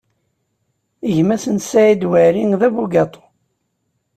Gma-s n Saɛid Waɛli, d abugaṭu.